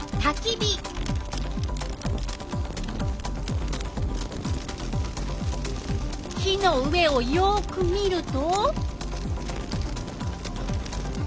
火の上をよく見ると。